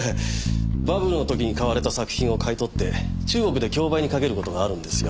バブルの時に買われた作品を買い取って中国で競売にかける事があるんですよ。